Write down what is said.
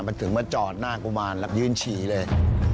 มันถึงมาจอดหน้ากุมารแล้วยืนฉี่เลย